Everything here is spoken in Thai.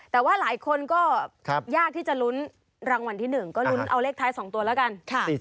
แต่ว่าหลายคนก็ยากที่จะลุ้นรางวัลที่๑ก็ลุ้นเอาเลขท้าย๒ตัวแล้วกัน